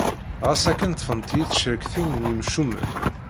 Ɣas akken ṭṭfent-iyi tcerktin n yimcumen.